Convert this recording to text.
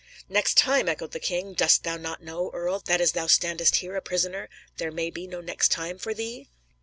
"Next time!" echoed the king; "dost thou not know, earl, that as thou standest there, a prisoner, there may be no 'next time' for thee?"